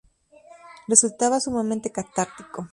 Resultaba sumamente catártico".